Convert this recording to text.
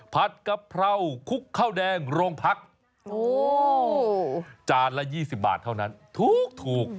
กะเพราคุกข้าวแดงโรงพักจานละ๒๐บาทเท่านั้นถูก